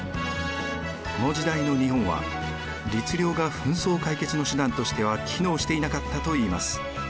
この時代の日本は律令が紛争解決の手段としては機能していなかったといいます。